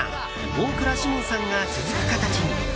大倉士門さんが続く形に。